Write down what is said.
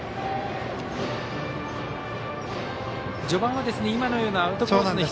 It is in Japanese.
序盤は今のようなアウトコース